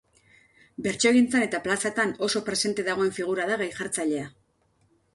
Bertsogintzan eta plazatan oso presente dagoen figura da gai-jartzailea.